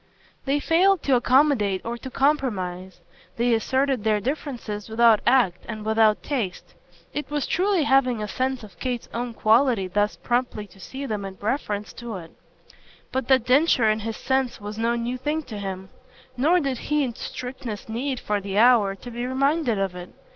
They failed to accommodate or to compromise; they asserted their differences without tact and without taste. It was truly having a sense of Kate's own quality thus promptly to see them in reference to it. But that Densher had this sense was no new thing to him, nor did he in strictness need, for the hour, to be reminded of it.